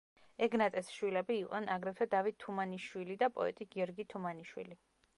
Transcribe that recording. ეგნატეს შვილები იყვნენ აგრეთვე დავით თუმანიშვილი და პოეტი გიორგი თუმანიშვილი.